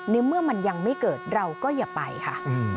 ในเมื่อมันยังไม่เกิดเราก็อย่าไปค่ะ